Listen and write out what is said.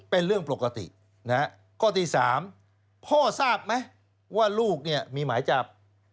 เป็นเรื่องปกตินะฮะข้อที่๓พ่อทราบไหมว่าลูกเนี่ยมีหมายจับ